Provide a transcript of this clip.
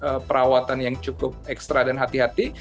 karena tentu ini harus perawatan yang cukup ekstra dan hati hati